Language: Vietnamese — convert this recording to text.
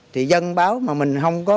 thì dân báo mà mình không có